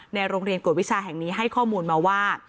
โรงเรียนกวดวิชาแห่งนี้ให้ข้อมูลมาว่า